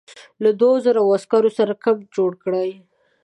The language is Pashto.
له دوو زرو عسکرو سره کمپ جوړ کړی.